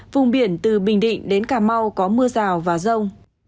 vùng biển từ bình định đến cà mau có mưa rào và rông